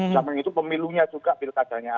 sama itu pemilunya juga bilkacanya